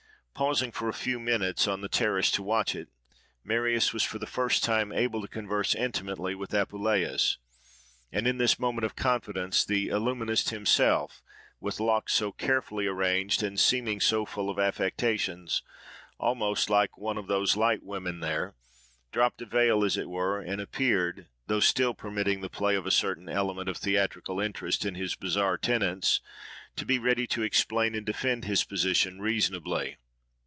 Pausing for a few minutes on the terrace to watch it, Marius was for the first time able to converse intimately with Apuleius; and in this moment of confidence the "illuminist," himself with locks so carefully arranged, and seemingly so full of affectations, almost like one of those light women there, dropped a veil as it were, and appeared, though still permitting the play of a certain element of theatrical interest in his bizarre tenets, to be ready to explain and defend his position reasonably.